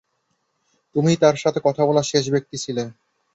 তুমিই তার সাথে কথা বলা শেষ ব্যক্তি ছিলে।